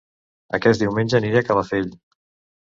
Aquest diumenge aniré a Calafell